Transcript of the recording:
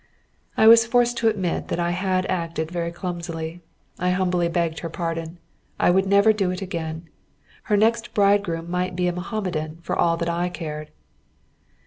I was forced to admit that I had acted very clumsily. I humbly begged her pardon. I would never do it again. Her next bridegroom might be a Mohammedan, for all that I cared.